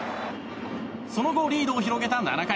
その後、リードを広げた７回。